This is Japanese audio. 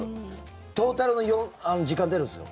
トータルの時間が出るんですよ。